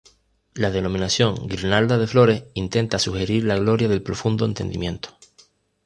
La denominación Guirnalda de Flores intenta sugerir la gloria del profundo entendimiento.